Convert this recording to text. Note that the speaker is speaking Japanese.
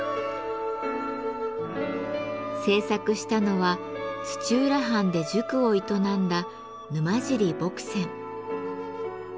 制作したのは土浦藩で塾を営んだ沼尻墨僊。